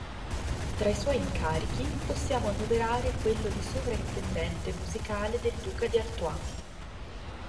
Tra i suoi incarichi, possiamo annoverare quello di sovraintendente musicale del duca di Artois.